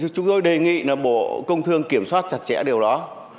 chúng tôi đề nghị là bộ công thương kiểm soát chặt chẽ điều đó